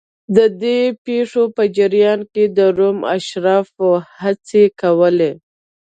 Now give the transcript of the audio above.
د دې پېښو په جریان کې د روم اشرافو هڅې کولې